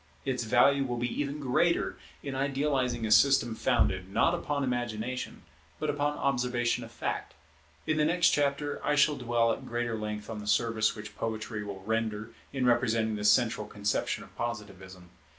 Its value will be even greater in idealizing a system founded, not upon imagination, but upon observation of fact. In the next chapter I shall dwell at greater length on the service which Poetry will render in representing the central conception of Positivism.